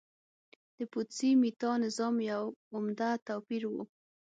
د پوتسي میتا نظام یو عمده توپیر و